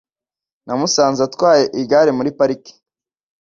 Namusanze atwaye igare muri parike.